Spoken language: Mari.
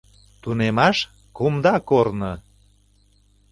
Тунемаш — кумда корно.